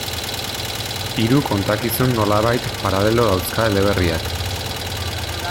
Hiru kontakizun nolabait paralelo dauzka eleberriak.